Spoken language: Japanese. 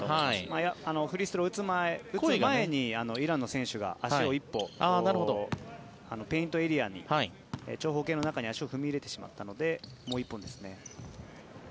フリースローを打つ前にイランの選手が足を１歩、ペイントエリアに長方形の中に足を踏み入れてしまったのでもう１本ですね。